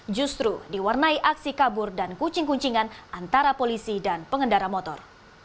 justru diwarnai aksi kabur dan kucing kuncingan antara polisi dan pengendara motor